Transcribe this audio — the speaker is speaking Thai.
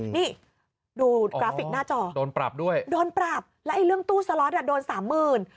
นี่ดูกราฟิกหน้าจอโดนปรับด้วยโดนปรับแล้วไอ้เรื่องตู้สล็อตอ่ะโดนสามหมื่น